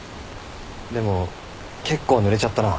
でも結構ぬれちゃったな。